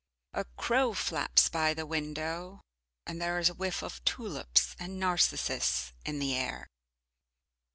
A crow flaps by the window, and there is a whiff of tulips and narcissus in the air.